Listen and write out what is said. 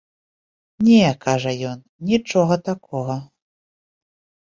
Не, кажа ён, нічога такога.